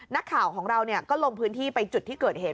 นักข่าวของเราก็ลงพื้นที่ไปจุดที่เกิดเหตุ